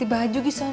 kan mau bikin